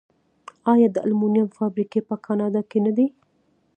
آیا د المونیم فابریکې په کاناډا کې نه دي؟